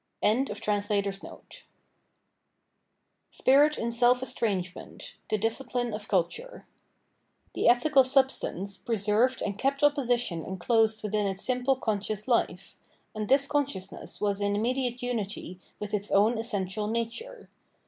] Spirit in Self estrangement — The Discipline of Culture The ethical substance preserved and kept opposition enclosed within its simple conscious life ; and this con sciousness was in immediate unity with its own essential nature.